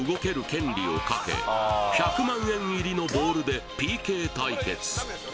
権利をかけ１００万円入りのボールでＰＫ対決